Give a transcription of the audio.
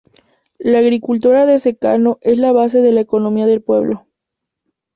La agricultura de secano es la base de la economía del pueblo.